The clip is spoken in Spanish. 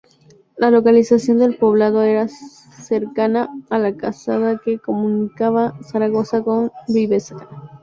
La localización del poblado era cercana a la calzada que comunicaba Zaragoza con Briviesca.